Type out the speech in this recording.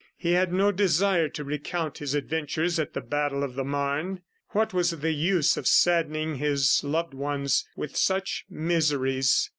He had no desire to recount his adventures at the battle of the Marne. What was the use of saddening his loved ones with such miseries?